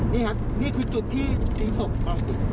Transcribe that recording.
นี่ครับนี่คือจุดที่ยิงศพเรา